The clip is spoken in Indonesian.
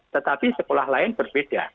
tetapi sekolah lain berbeda